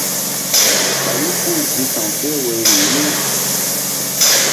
Ɓayu ku-u zi sa̧w seh woyri riw.